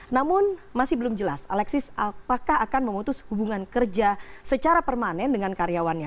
namun masih belum jelas alexis apakah akan memutus hubungan kerja secara permanen dengan karyawannya